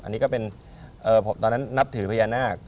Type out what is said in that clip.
อันนี้ก็เป็นตอนนั้นนับถือพญานาค